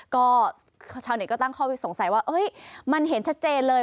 ก็ชาวเน็ตก็ตั้งข้อวิสงสัยว่ามันเห็นชัดเจนเลย